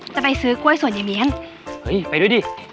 จะไปซื้อกล้วยส่วนยายเมียนเฮ้ยไปด้วยดิ